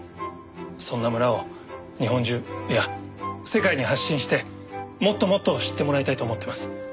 そんな村を日本中いや世界に発信してもっともっと知ってもらいたいと思ってます。